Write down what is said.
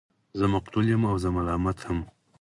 زه مقتول يمه او زه يم ملامت هم